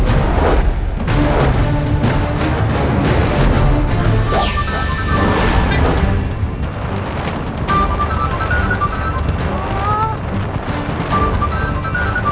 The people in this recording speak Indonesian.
intim kendall disiapkan untuk melindungi suku